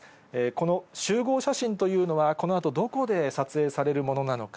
この集合写真というのは、このあとどこで撮影されるものなのか。